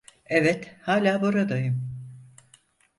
Evet, hala buradayım.